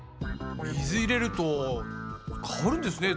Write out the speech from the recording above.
水入れると変わるんですね